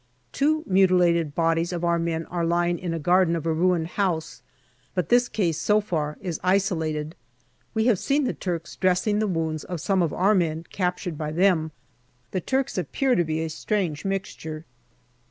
Two mutilated bodies of our men are lying in a garden of a ruined house, but this case so far is isolated. We have seen the Turks dressing the wounds of some of our men captured by them. The Turks appear to be a strange mixture.